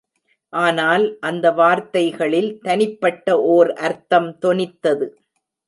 ஆனால் அந்த வார்த்தைகளில் தனிப்பட்ட ஓர் அர்த்தம் தொனித்தது.